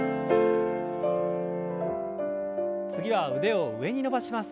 次は腕を上に伸ばします。